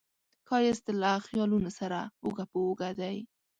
ښایست له خیالونو سره اوږه په اوږه دی